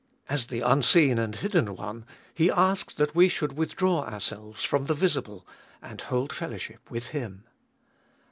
As the unseen and hidden One, He asks that we should withdraw ourselves from the visible and hold fellowship with Him.